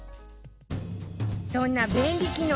そんな便利機能